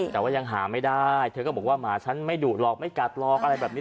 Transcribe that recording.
แต่ว่ายังหาไม่ได้เธอก็บอกว่าหมาฉันไม่ดุหรอกไม่กัดหรอกอะไรแบบนี้